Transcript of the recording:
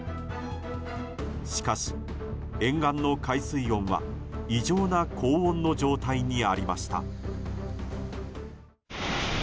しかし、沿岸の海水温は異常な高温の状態にありました。